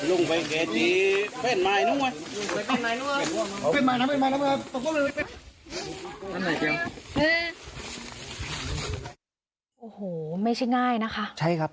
โอ้โหไม่ใช่ง่ายนะคะ